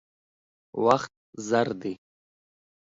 وخت زر دی.